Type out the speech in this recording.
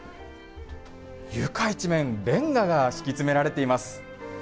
床一面、レンガが敷き詰められています。